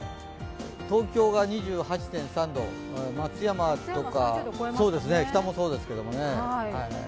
東京が２８．３度、松山とか日田もそうですけどね。